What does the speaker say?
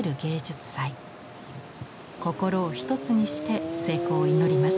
心を一つにして成功を祈ります。